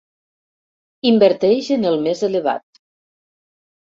Inverteix en el més elevat.